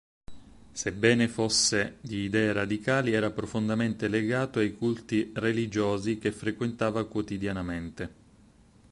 Sebbene fosse di idee radicali era profondamente legato ai culti religiosi che frequentava quotidianamente.